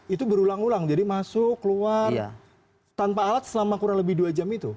itu berulang ulang jadi masuk keluar tanpa alat selama kurang lebih dua jam itu